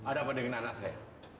ada apa dengan anak saya